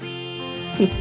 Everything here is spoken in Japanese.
うん。